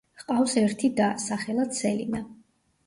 ჰყავს ერთი და, სახელად სელინა.